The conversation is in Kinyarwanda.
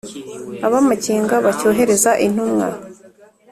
Ab'amakenga bacyohereza intumwa